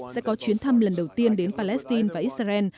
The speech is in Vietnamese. sẽ có chuyến thăm lần đầu tiên đến palestine và israel